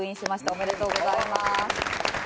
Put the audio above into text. おめでとうございます。